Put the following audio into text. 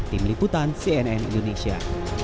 tim liputan cnn indonesia